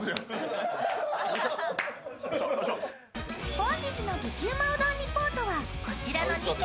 本日の激うまうどんリポートはこちらの２件。